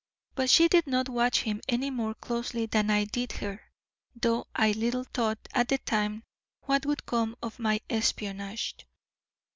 But she did not watch him any more closely than I did her, though I little thought at the time what would come of my espionage.